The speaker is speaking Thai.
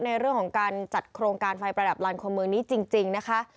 ในเรื่องของการจัดโครงการไฟประดับลานคมเมืองนี้จริงนะคะ